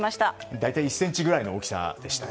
大体１ｃｍぐらいの大きさでした。